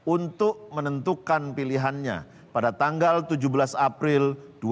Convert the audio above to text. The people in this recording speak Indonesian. untuk menentukan pilihannya pada tanggal tujuh belas april dua ribu dua puluh